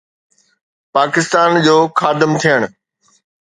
پاڪستان جو خادم ٿيڻ.